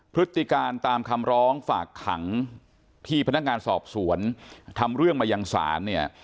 พฤติการตามคำร้องฝากขังที่พนักงานสอบสวนทำเรื่องมายังศาลเนี่ย